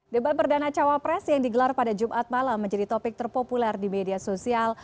debat perdana cawapres yang digelar pada jumat malam menjadi topik terpopuler di media sosial